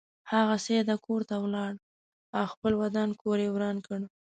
هغه سیده کور ته ولاړ او خپل ودان کور یې وران کړ.